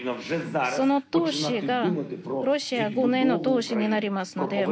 その投資がロシアへの投資になりますので。